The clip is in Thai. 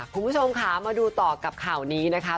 คุณผู้ชมค่ะมาดูต่อกับข่าวนี้นะคะ